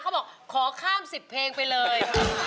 บอกขอข้าม๑๐เพลงไปเลย